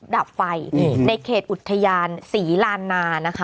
ดับไฟในเขตอุทยานศรีลานานะคะ